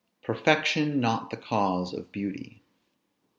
PERFECTION NOT THE CAUSE OF BEAUTY.